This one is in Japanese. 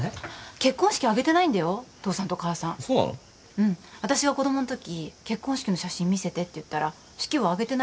うん私が子供んとき結婚式の写真見せてって言ったら式は挙げてないって言ってたもん。